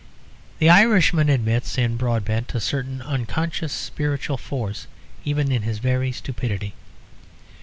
The Irishman admits in Broadbent a certain unconscious spiritual force even in his very stupidity.